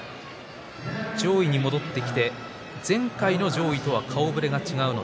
上位に戻ってきて前回の上位とは顔ぶれが違います。